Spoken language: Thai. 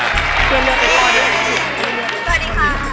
สวัสดีค่ะ